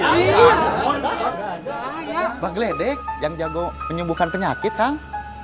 mbak gledek yang jago menyembuhkan penyakit kang